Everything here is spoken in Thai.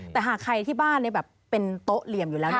แต่หากใครที่บ้านเป็นโต๊ะเหลี่ยมอยู่แล้ว